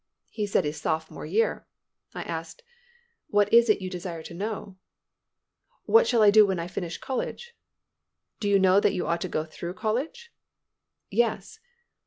He said his sophomore year. I asked, "What is it you desire to know?" "What I shall do when I finish college." "Do you know that you ought to go through college?" "Yes."